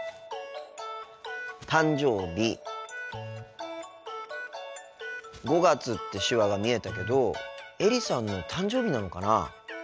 「誕生日」「５月」って手話が見えたけどエリさんの誕生日なのかな？